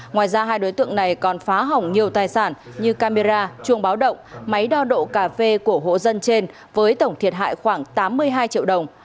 ngoài ra hai đối tượng này còn phá hỏng nhiều tài sản như camera chuông báo động máy đo độ cà phê của hộ dân trên với tổng thiệt hại khoảng tám mươi hai triệu đồng